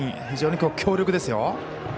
非常に強力ですよ。